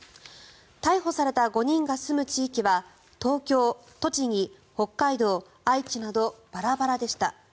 逮捕された５人が住む地域は東京、栃木、北海道愛知など、バラバラでした。